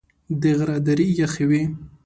د غره درې یخي وې .